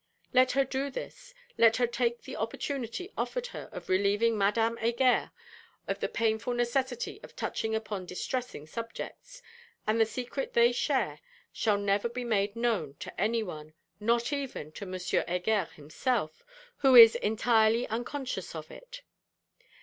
Let her do this, let her take the opportunity offered her of relieving Madame Heger of the painful necessity of touching upon distressing subjects, and the secret they share shall never be made known to any one, not even to M. Heger himself, who is entirely unconscious of it.